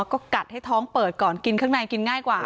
แล้วก็กัดให้ท้องเปิดก่อนกินข้างในกินง่ายกว่า